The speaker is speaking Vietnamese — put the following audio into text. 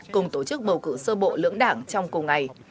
cùng tổ chức bầu cử sơ bộ lưỡng đảng trong cùng ngày